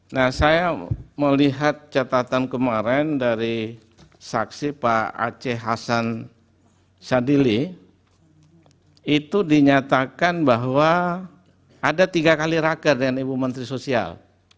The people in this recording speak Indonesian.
nah saya melihat catatan kemarin dari saksi pak aceh hasan sadili itu dinyatakan bahwa ada tiga kali raker dengan ibu menteri sosial